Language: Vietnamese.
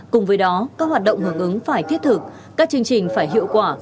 cùng với đó các hoạt động hưởng ứng phải thiết thực các chương trình phải hiệu quả